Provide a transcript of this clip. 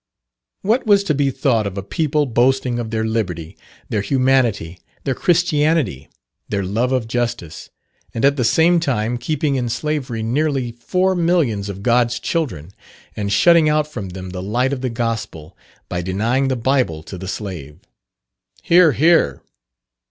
What was to be thought of a people boasting of their liberty, their humanity, their Christianity, their love of justice, and at the same time keeping in slavery nearly four millions of God's children, and shutting out from them the light of the Gospel, by denying the Bible to the slave! (Hear, hear.)